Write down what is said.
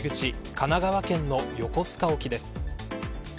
神奈川県の横須賀沖です。